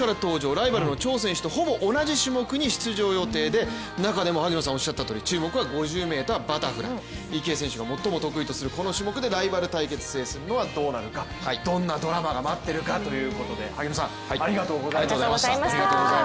ライバルの張雨霏選手とほぼ同じ種目に出場予定で、中でも注目は５０ｍバタフライ、池江選手が最も得意とするこの種目でライバル対決制するのはどちらなのかどんなドラマが待っているかということで萩野さん、ありがとうございました。